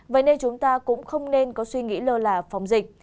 vậy nên chúng ta cũng không nên có suy nghĩ lơ là phòng dịch